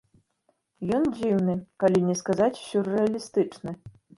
Ён дзіўны, калі не сказаць сюррэалістычны.